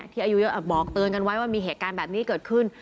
อายุเยอะบอกเตือนกันไว้ว่ามีเหตุการณ์แบบนี้เกิดขึ้น